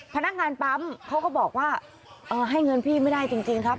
พนักงานปั๊มเขาก็บอกว่าให้เงินพี่ไม่ได้จริงครับ